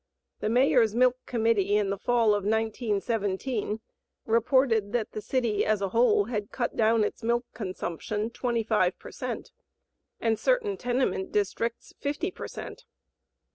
The Mayor's Milk Committee in the fall of 1917 reported that the city as a whole had cut down its milk consumption 25 per cent, and certain tenement districts 50 per cent.